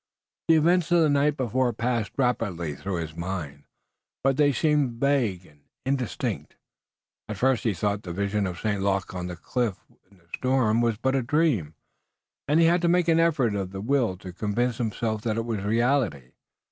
The events of the night before passed rapidly through his mind, but they seemed vague and indistinct. At first he thought the vision of St. Luc on the cliff in the storm was but a dream, and he had to make an effort of the will to convince himself that it was reality.